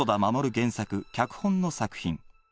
原作脚本の作品